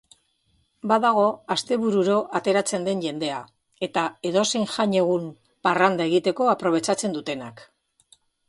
Badago astebururo ateratzen den jendea, eta edozein jaiegun parranda egiteko aprobetxatzen dutenak.